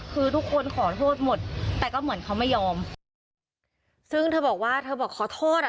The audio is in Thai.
คือทุกคนขอโทษหมดแต่ก็เหมือนเขาไม่ยอมซึ่งเธอบอกว่าเธอบอกขอโทษอ่ะ